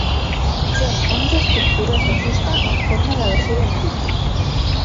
Són onze estructures de fusta amb forma de vaixell antic.